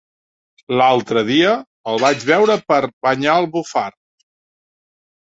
L'altre dia el vaig veure per Banyalbufar.